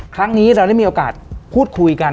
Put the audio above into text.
ครั้งนี้เราได้มีโอกาสพูดคุยกัน